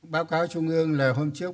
báo cáo trung ương là hôm trước